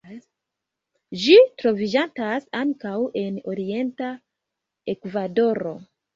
Ĝi troviĝantas ankaŭ en orienta Ekvadoro.